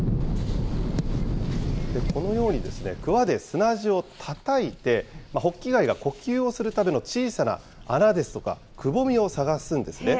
このように、くわで砂地をたたいて、ホッキ貝が呼吸をするための小さな穴ですとか、くぼみを探すんですね。